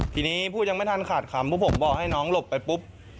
ทีนี้พูดยังไม่ทันขาดคำเพราะผมบอกให้น้องหลบไปปุ๊บ